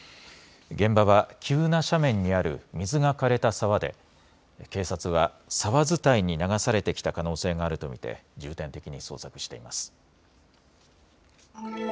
現場は急な斜面にある水がかれた沢で警察は沢伝いに流されてきた可能性があると見て重点的に捜索しています。